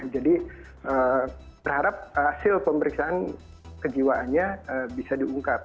jadi berharap hasil pemeriksaan kejiwaannya bisa diungkap